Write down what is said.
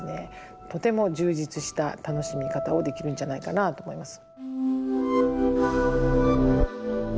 とても充実した楽しみ方をできるんじゃないかなと思います。